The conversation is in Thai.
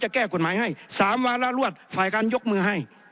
แก้กฎหมายให้๓วาระรวดฝ่ายการยกมือให้